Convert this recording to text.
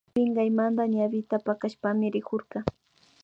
Pinkaymanta ñawita pakashpami rikurka